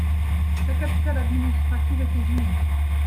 Sa capitale administrative était Ginir.